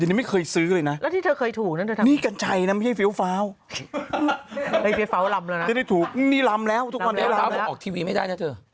แล้วซื้อทำไมผมไม่ได้ซื้อ